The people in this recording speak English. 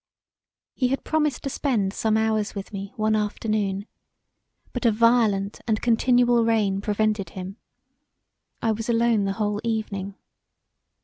He had promised to spend some hours with me one afternoon but a violent and continual rain prevented him. I was alone the whole evening.